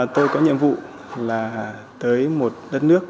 tôi có nhiệm vụ là tới một đất nước